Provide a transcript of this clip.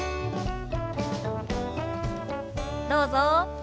どうぞ。